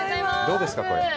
どうですか、これ。